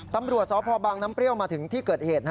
ตำรวจสพบางน้ำเปรี้ยวมาถึงที่เกิดเหตุ